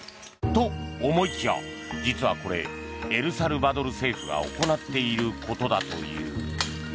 と、思いきや実はこれ、エルサルバドル政府が行っていることだという。